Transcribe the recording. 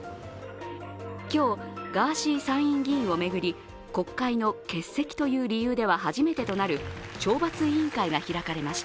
今日、ガーシー参院議員を巡り、国会の欠席という理由では初めてとなる懲罰委員会が開かれました。